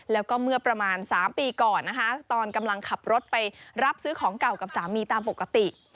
แล้วก็เมื่อประมาณ๓ปีก่อนนะคะตอนกำลังขับรถไปรับซื้อของเก่ากับสามีตามปกติ